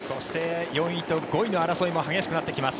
そして、４位と５位の争いも激しくなってきます。